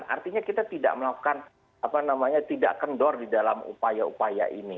artinya kita tidak melakukan apa namanya tidak kendor di dalam upaya upaya ini